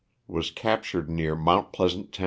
Was captured near Mt. Pleasant, Tenn.